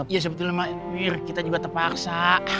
ya sebetulnya mbak mir kita juga terpaksa